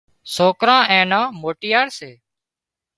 سوڪران اين موٽيار سي